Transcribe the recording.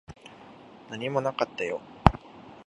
何もなかったよ。